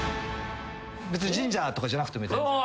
別に神社とかじゃなくても。